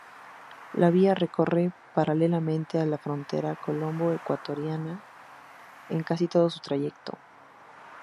La vía recorre paralelamente a la frontera colombo-ecuatoriana en casi todo su trayecto.